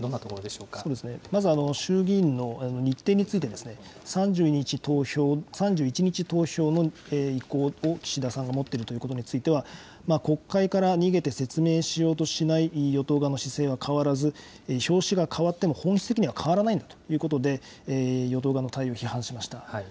まず、衆議院の日程について、３１日投票の意向を岸田さんが持っているということについては、国会から逃げて説明しようとしない与党側の姿勢は変わらず、表紙が変わっても本質的には変わらないんだということで、与党側の対応を批判しました。